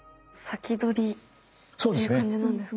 っていう感じなんですか？